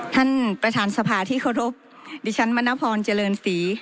ท่านประธานสภาที่เคารพดิฉันมณพรเจริญศรี